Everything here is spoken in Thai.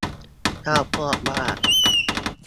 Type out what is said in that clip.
เจ้าพวกบ้า